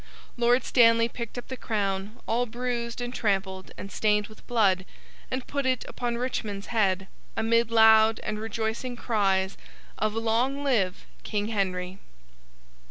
Lord Stanley picked up the crown, all bruised and trampled, and stained with blood, and put it upon Richmond's head, amid loud and rejoicing cries of 'Long live King Henry!